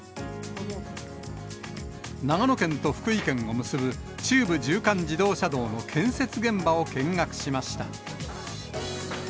長野県と福井県を結ぶ中部縦貫自動車道の建設現場を見学しました。